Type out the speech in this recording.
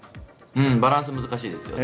バランスが難しいですよね。